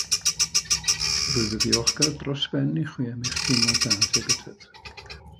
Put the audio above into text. Yn wyf yn ddiolchgar dros ben i chwi am eich teimlad da tuag ataf.